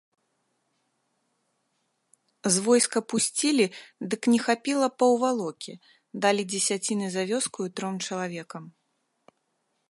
З войска пусцілі, дык не хапіла паўвалокі, далі дзесяціны за вёскаю тром чалавекам.